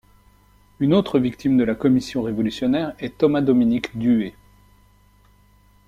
Une autre victime de la commission révolutionnaire est Thomas-Dominique Duhé.